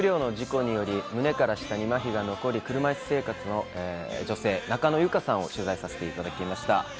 僕は不慮の事故により胸から下にまひが残り、車いす生活の女性・中野由佳さんを取材させていただきました。